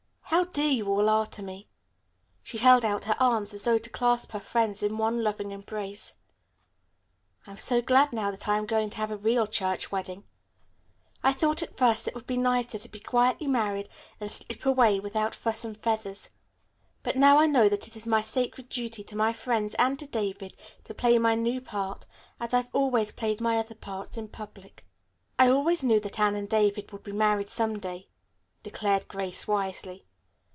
"How dear you all are to me." She held out her arms as though to clasp her friends in one loving embrace. "I am so glad now that I am going to have a real church wedding. I thought at first it would be nicer to be quietly married and slip away without fuss and feathers, but now I know that it is my sacred duty to my friends and to David to play my new part, as I've always played my other parts, in public." "I always knew that Anne and David would be married some day," declared Grace wisely.